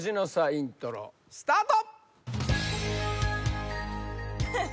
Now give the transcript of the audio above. イントロスタート